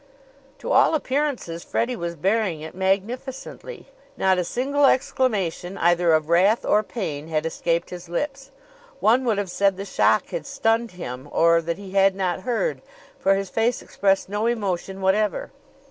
To all appearances Freddie was bearing it magnificently. Not a single exclamation, either of wrath or pain, had escaped his lips. One would have said the shock had stunned him or that he had not heard, for his face expressed no emotion whatever.